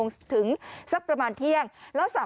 สุดยอดดีแล้วล่ะ